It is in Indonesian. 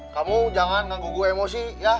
kamu jangan ngangguk ngangguk emosi ya